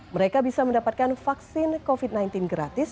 mereka bisa mendapatkan vaksin covid sembilan belas gratis